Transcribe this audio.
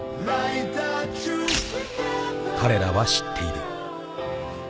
［彼らは知っている］